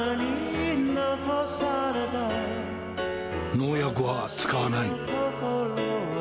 農薬は使わない。